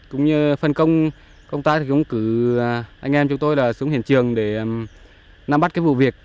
cũng như phân công công tác thì chúng cử anh em chúng tôi là xuống hiện trường để nắm bắt cái vụ việc